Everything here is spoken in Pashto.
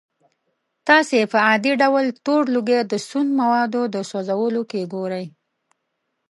تاسې په عادي ډول تور لوګی د سون موادو د سوځولو کې ګورئ.